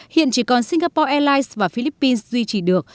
hiện chỉ còn singapore airlines và philippines duy trì được